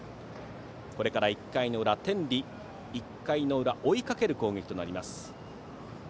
これから１回の裏天理、追いかける攻撃となります。